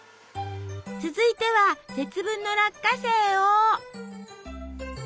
続いては節分の落花生を。